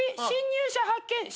侵入者発見。